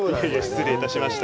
失礼いたしました。